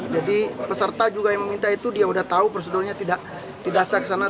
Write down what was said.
jadi peserta juga yang meminta itu dia sudah tahu prosedurnya tidak tidak saya kesana